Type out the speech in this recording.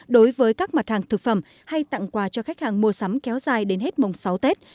đối với các mặt hàng thực phẩm hay tặng quà cho khách hàng mua sắm kéo dài đến hết mùng sáu tết